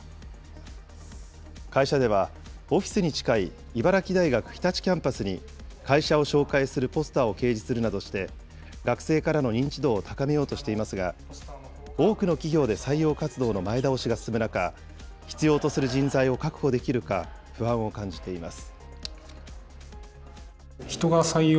会社では、オフィスに近い茨城大学・日立キャンパスに会社を紹介するポスターを掲示するなどして、学生からの認知度を高めようとしていますが、多くの企業で採用活動の前倒しが進む中、必要とする人材を確保できるか、不安を感じています。